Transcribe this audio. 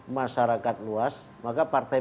masyarakat luas maka partai